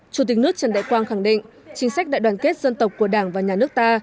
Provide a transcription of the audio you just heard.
chủ tịch nước trần đại quang khẳng định chính sách đại đoàn kết dân tộc của đảng và nhà nước ta